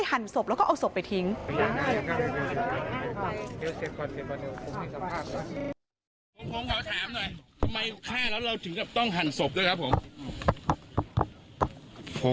นี่ครับทำไมเราถึงไม่เจอตำรวจไม่เจออะไรตั้งแต่แรกครับ